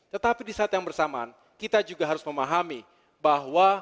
tetapi di saat yang bersamaan kita juga harus memahami bahwa